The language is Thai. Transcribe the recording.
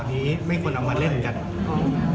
นี้ไม่ควรเอามาเล่นกัน